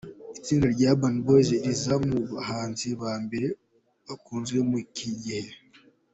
Itsinda rya Urban Boyz, riza mu bahanzi ba mbere bakunzwe muri iki gihe.